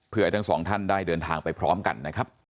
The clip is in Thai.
เพื่อให้ทั้งสองท่านได้เดินทางไปพร้อมกันนะครับ